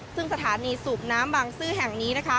ซึ่งสถานีสูบน้ำบางซื่อแห่งนี้นะคะ